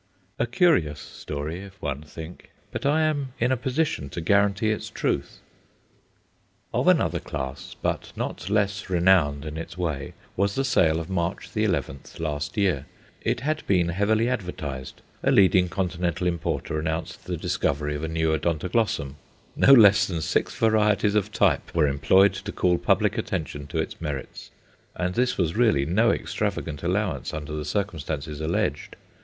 A curious story, if one think, but I am in a position to guarantee its truth. Of another class, but not less renowned in its way, was the sale of March 11th last year. It had been heavily advertised. A leading continental importer announced the discovery of a new Odontoglossum. No less than six varieties of type were employed to call public attention to its merits, and this was really no extravagant allowance under the circumstances alleged.